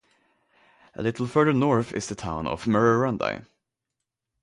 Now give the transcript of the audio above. A little further north is the town of Murrurundi.